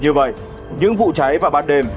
như vậy những vụ cháy vào ban đêm